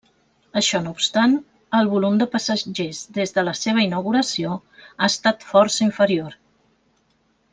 Això no obstant, el volum de passatgers des de la inauguració ha estat força inferior.